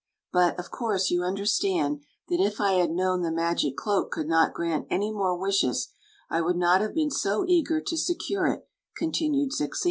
" But, of course, you understand that if I had known the magic cloak could not grant any more wishes, I would not have been so eager to secure it," continued Zixi.